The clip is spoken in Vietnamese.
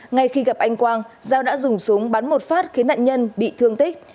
ngay khi gặp anh quang giao đã dùng súng bắn một phát khiến nạn nhân bị thương tích